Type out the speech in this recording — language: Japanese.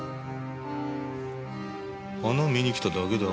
花見に来ただけだ。